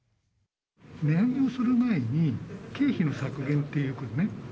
値上げをする前に、経費の削減っていうことね。